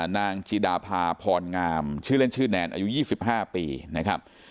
นางจิดาภาพรงามชื่อเล่นชื่อแนนอายุ๒๕ปีนะครับ